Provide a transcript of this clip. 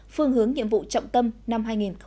phương hướng nhiệm vụ trọng tâm năm hai nghìn hai mươi